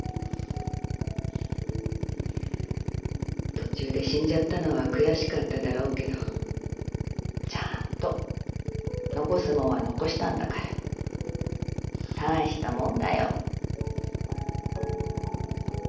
途中で死んじゃったのは悔しかっただろうけどちゃんと残すもんは残したんだからたいしたもんだよ。